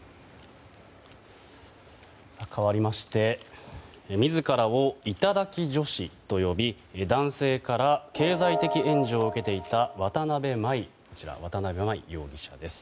かわりまして自らを頂き女子と呼び男性から経済的援助を受けていた渡邊真衣容疑者です。